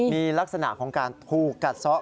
มีลักษณะของการถูกกัดซ้อ